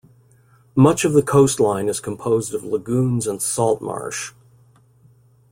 Much of the coastline is composed of lagoons and salt marsh.